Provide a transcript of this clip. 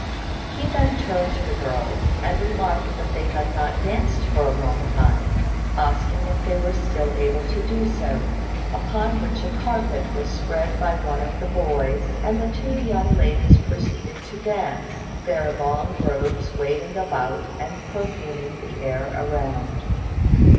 He then turned to the girls, and remarked that they had not danced for a long time, asking if they were still able to do so; upon which a carpet was spread by one of the boys, and the two young ladies proceeded to dance, their long robes waving about and perfuming the air around.